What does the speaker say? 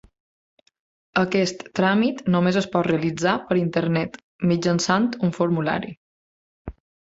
Aquest tràmit només es pot realitzar per internet, mitjançant un formulari.